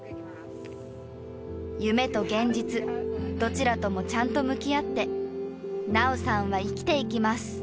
夢と現実どちらともちゃんと向き合って菜桜さんは生きていきます。